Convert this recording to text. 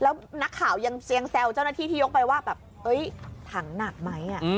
แล้วนักข่าวยังแซวเจ้าหน้าที่ที่ยกไปว่าแบบเอ้ยถังหนักไหมอ่ะ